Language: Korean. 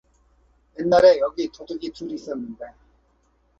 옛날에 여기 도둑이 둘 있었는데